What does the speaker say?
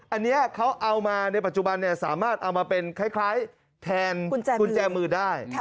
อันนี้เขาเอามาในปัจจุบันสามารถเอามาเป็นคล้ายแทนกุญแจมือได้